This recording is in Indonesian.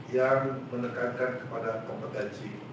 yang menekankan kepada kompetensi